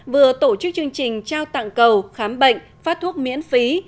vừa tổ chức chương trình trao tặng cầu khám bệnh phát thuốc miễn phí